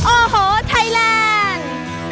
โอ้โหไทยแลนด์